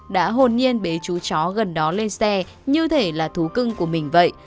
đã hồn nhiên bế chú chó gần đó lên xe như thể là thú cưng của mình vậy